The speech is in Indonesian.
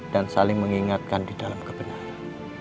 dan saling mengingatkan di dalam kebenaran